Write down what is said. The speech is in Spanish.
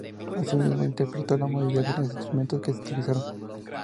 Asimismo, interpretó la mayoría de los instrumentos que se utilizaron.